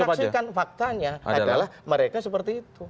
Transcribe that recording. setelah kita saksikan faktanya adalah mereka seperti itu